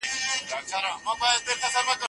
تاسي باید د خپل بدن عضلاتو ته پام وکړئ.